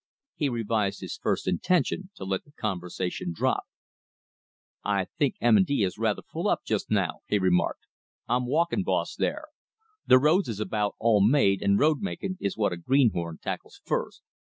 He revised his first intention to let the conversation drop. "I think M. & D. is rather full up just now," he remarked. "I'm walkin' boss there. The roads is about all made, and road making is what a greenhorn tackles first.